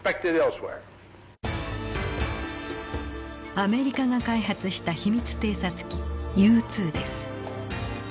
アメリカが開発した秘密偵察機Ｕ２です。